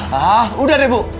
ya udah ibu